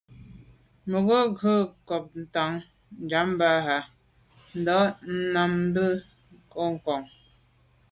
Mə ghʉ̌ ngǔ’ ncobtαn ŋammbαhα. Ndὰb mαm bə α̂ Ngǒnncò.